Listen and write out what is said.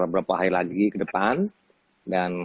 berapa hari lagi ke depan dan